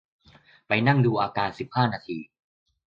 ไปนั่งดูอาการสิบห้านาที